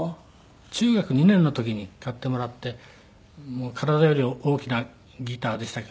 中学２年の時に買ってもらって体より大きなギターでしたけども。